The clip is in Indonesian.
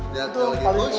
iya itu jatuh lagi kos